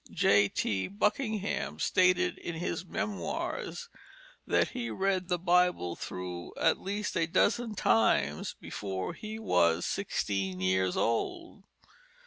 J. T. Buckingham stated in his Memoirs that he read the Bible through at least a dozen times before he was sixteen years old.